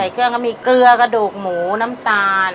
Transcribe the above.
เครื่องก็มีเกลือกระดูกหมูน้ำตาล